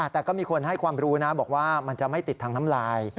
แต่ก็มีคนให้ความรู้นะบอกว่ามันจะไม่ติดทางน้ำลาย